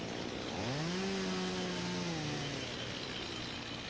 うん。